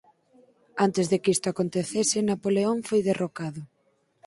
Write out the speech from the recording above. Antes de que isto acontecese Napoleón foi derrocado.